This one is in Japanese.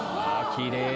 きれい！